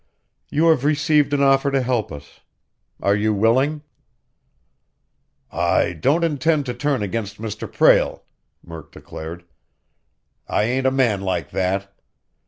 You have received an offer to help us. Are you willing?" "I don't intend to turn against Mr. Prale!" Murk declared. "I ain't a man like that!